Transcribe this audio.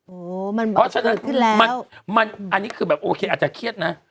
โอ้มันแบบเกิดขึ้นแล้วมันอันนี้คือแบบโอเคอาจจะเครียดนะ